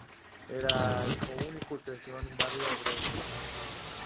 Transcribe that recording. Era hijo único y creció en un barrio obrero.